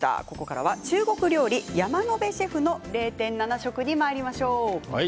ここからは中国料理山野辺シェフの０．７食にまいりましょう。